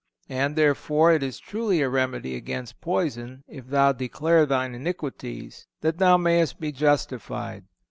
And, therefore, it is truly a remedy against poison, if thou declare thine iniquities, that thou mayest be justified.